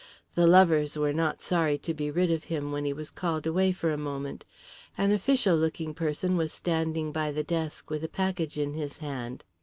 The lovers were not sorry to be rid of him when he was called away for a moment. An official looking person was standing by the desk with a package in his hand.